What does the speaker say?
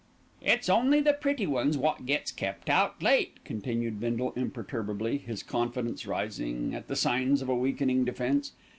"It's only the pretty ones wot gets kept out late," continued Bindle imperturbably, his confidence rising at the signs of a weakening defence.